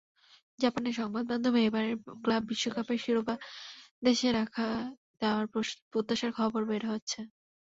জাপানের সংবাদমাধ্যমে এবারের ক্লাব বিশ্বকাপের শিরোপা দেশে রেখে দেওয়ার প্রত্যাশার খবর বের হচ্ছে।